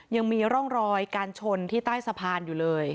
ยังมีร่องรอยการชนที่ใต้สะพานอยู่เลย